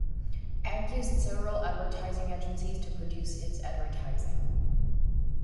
Egg used several advertising agencies to produce its advertising.